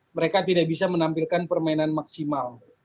mereka tidak bisa menampilkan permainan maksimal